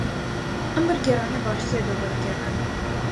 ئەم وەرگێڕانە باشترە لەو وەرگێڕانە.